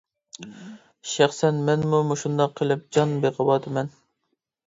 شەخسەن مەنمۇ مۇشۇنداق قىلىپ جان بېقىۋاتىمەن.